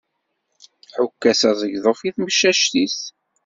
Ḥukk-as aẓegḍuf i tmecmact-is.